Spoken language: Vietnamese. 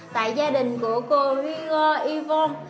tại gia đình của cô rigo yvonne